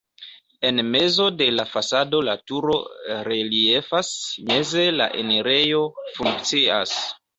En mezo de la fasado la turo reliefas, meze la enirejo funkcias.